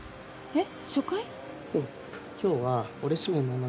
えっ？